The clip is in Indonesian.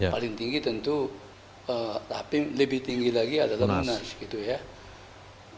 paling tinggi tentu tapi lebih tinggi lagi adalah lunas